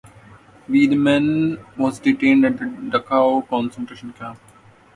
Wiedemann was detained at the Dachau concentration camp.